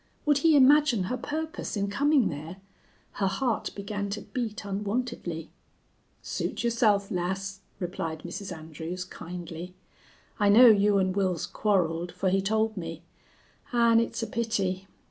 Would he imagine her purpose in coming there? Her heart began to beat unwontedly. "Suit yourself, lass," replied Mrs. Andrews, kindly. "I know you and Wils quarreled, for he told me. An' it's a pity....